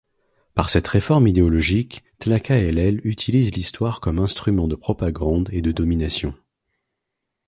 Par cette réforme idéologique, Tlacaelel utilise l'histoire comme instrument de propagande et de domination.